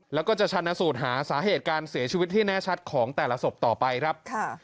แล้วก็จะชันสูตรหาสาเหตุการเสียชีวิตที่แน่ชัดของแต่ละศพต่อไปครับ